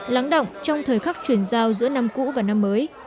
lắng động trong thời khắc chuyển giao giữa năm cũ và năm mới